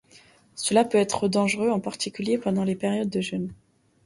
Cela peut être dangereux, en particulier pendant les périodes de jeûne.